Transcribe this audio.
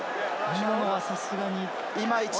今のはさすがに。